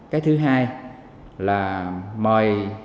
cái thứ hai là mời